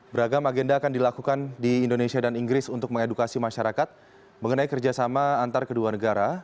beragam agenda akan dilakukan di indonesia dan inggris untuk mengedukasi masyarakat mengenai kerjasama antar kedua negara